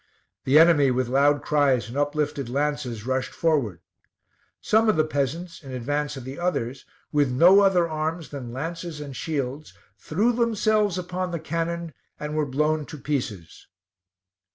The enemy with loud cries and uplifted lances rushed forward. Some of the peasants in advance of the others, with no other arms than lances and shields, threw themselves upon the cannon and were blown to pieces.